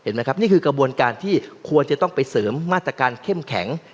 ครับนี่คือกระบวนการที่ควรจะต้องไปเสริมมาตรการเข้มแข็ง